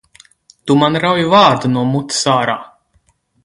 Tu man rauj vārdu no mutes ārā!